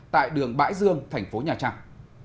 tại đường bãi dương thành phố nhà trang